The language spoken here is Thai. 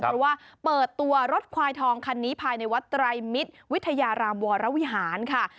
เพราะว่าเปิดตัวรถควายทองคันนี้ภายในวัดไตรมิตรวิทยารามวรวิหารค่ะ